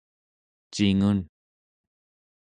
cingun